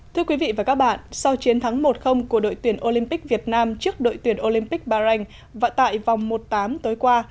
thưa quý vị và các bạn sau chiến thắng một của đội tuyển olympic việt nam trước đội tuyển olympic bahrain và tại vòng một tám tối qua